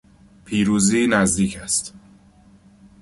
پیروزی نزدیک است.